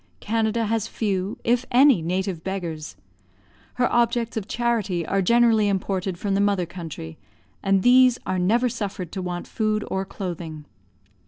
Canada has few, if any, native beggars; her objects of charity are generally imported from the mother country, and these are never suffered to want food or clothing.